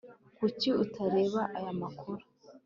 kuki utareba aya makuru